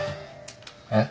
えっ？